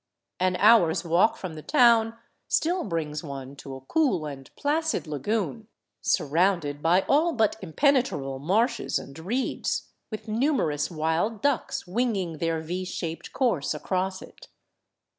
An hour's walk from the town still brings one to a cool and placid lagoon, surrounded by all but impenetrable marshes and reeds, with numerous wild ducks winging their V shaped course across It.